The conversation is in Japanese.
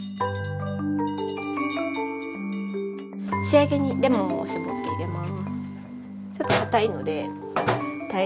仕上げにレモンを搾って入れます。